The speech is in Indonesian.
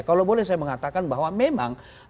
kalau boleh saya mengatakan bahwa memang